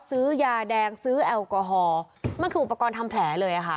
ซื้อยาแดงซื้อแอลกอฮอล์มันคืออุปกรณ์ทำแผลเลยค่ะ